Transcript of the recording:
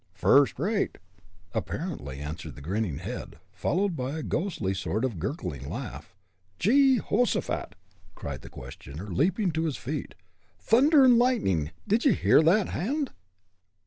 "First rate!" apparently answered the grinning head, followed by a ghostly sort of a gurgling laugh. "Jehosaphat!" cried the questioner, leaping to his feet. "Thunder and lightning! Did ye hear that, Hand?"